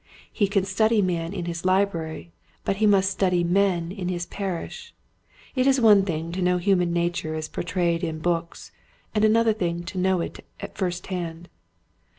He can study man in his hbrary but he must study men in his parish. It is one thing to know human nature as portrayed in books and another thing to know it at first hand.